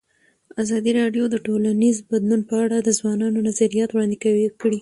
ازادي راډیو د ټولنیز بدلون په اړه د ځوانانو نظریات وړاندې کړي.